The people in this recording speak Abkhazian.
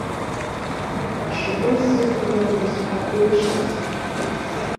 Ршьапы исзықәргыландаз ҳәа урышьҭаз!